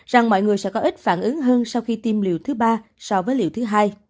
rằng mọi người sẽ có ít phản ứng hơn sau khi tiêm liều thứ ba so với liều thứ hai